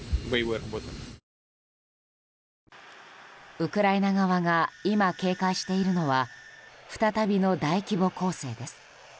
ウクライナ側が今警戒しているのは再びの大規模攻勢です。